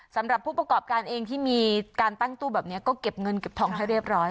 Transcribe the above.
สำหรับผู้ประกอบการเองที่มีการตั้งตู้แบบนี้ก็เก็บเงินเก็บทองให้เรียบร้อย